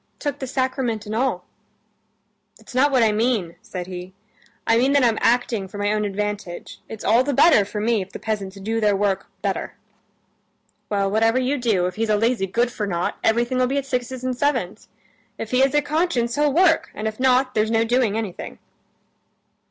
"Took the sacrament and all." "That's not what I mean," said he. "I mean that I'm acting for my own advantage. It's all the better for me if the peasants do their work better." "Well, whatever you do, if he's a lazy good for nought, everything'll be at sixes and sevens. If he has a conscience, he'll work, and if not, there's no doing anything."